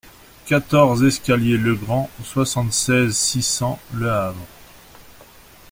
quatorze escalier Legrand, soixante-seize, six cents, Le Havre